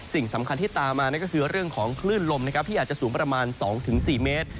สิ่งสำคัญที่ตามมานั่นก็คือเรื่องของคลื่นลมนะครับที่อาจจะสูงประมาณ๒๔เมตร